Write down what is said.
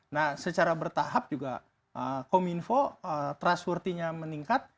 nah secara bertahap juga home info trustworthinessya meningkat